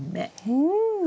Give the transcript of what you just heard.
うん！